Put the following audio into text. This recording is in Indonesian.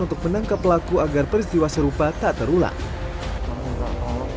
untuk menangkap pelaku agar peristiwa serupa tak terulang